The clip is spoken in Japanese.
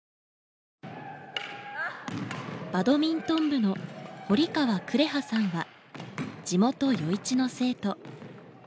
バドミントン部の堀川紅羽さんは地元余市の生徒。